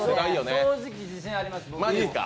正直、自信あります。